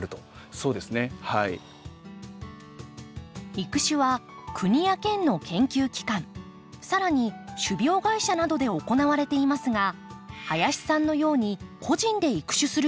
育種は国や県の研究機関さらに種苗会社などで行われていますが林さんのように個人で育種する人もいます。